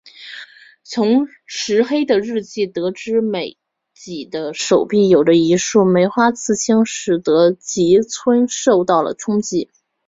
从石黑的日记得知美几的手臂有着一束梅花的刺青使得吉村受到了冲击。